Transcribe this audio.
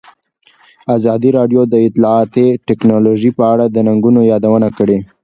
ازادي راډیو د اطلاعاتی تکنالوژي په اړه د ننګونو یادونه کړې.